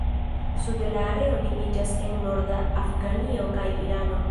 Sude la areo limiĝas en norda Afganio kaj Irano.